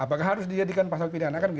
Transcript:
apakah harus dijadikan pasal pidana kan